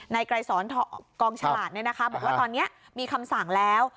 นายไกรสอนกองฉลาดเนี่ยนะคะบอกว่าตอนนี้มีคำสั่งแล้ว